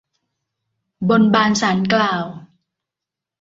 บนบานศาลกล่าว